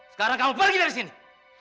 sekarang kamu pergi dari sini